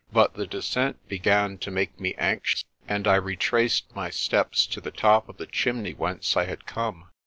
But the descent began to make me anxious, 64 PRESTER JOHN and I retraced my steps to the top of the chimney whence I had come.